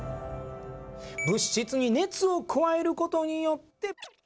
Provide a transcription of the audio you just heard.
物質に熱を加えることによって。